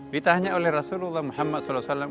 ditanya oleh rasulullah muhammad saw